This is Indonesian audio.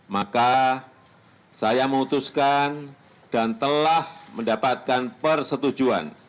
maka saya memutuskan dan telah mendapatkan persetujuan